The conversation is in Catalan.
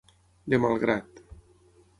De mal grat.